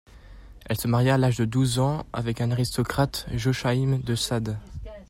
Elle se maria à l'âge de douze ans avec un aristocrate, Joachim de Sade.